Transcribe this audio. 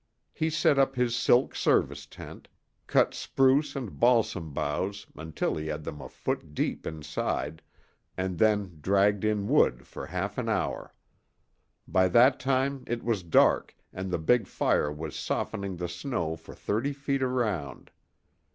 He set up his silk Service tent, cut spruce and balsam boughs until he had them a foot deep inside, and then dragged in wood for half an hour. By that time it was dark and the big fire was softening the snow for thirty feet around.